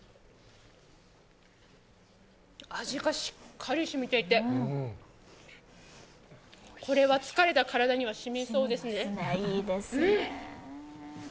味がしっかりしみていて、これは疲れた体にはしみそうですね。